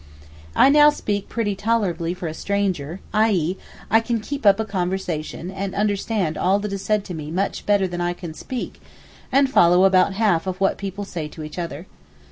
I now speak pretty tolerably for a stranger, i.e. I can keep up a conversation, and understand all that is said to me much better than I can speak, and follow about half what people say to each other.